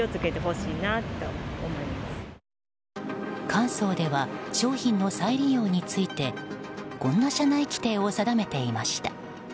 神宗では商品の再利用についてこんな社内規定を定めていました。